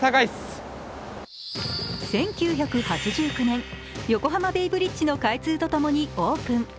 １９８９年、横浜ベイブリッジの開通とともにオープン。